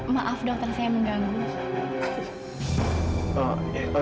maaf dokter saya mengganggu